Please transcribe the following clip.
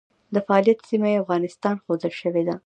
د فعالیت سیمه یې افغانستان ښودل شوې ده.